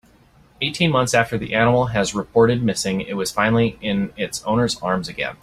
Eighteen months after the animal has been reported missing it was finally in its owner's arms again.